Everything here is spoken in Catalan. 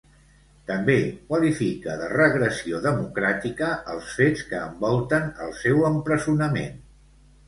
També qualifica de "regressió democràtica" els fets que envolten el seu empresonament.